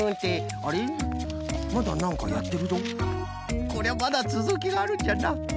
こりゃまだつづきがあるんじゃな。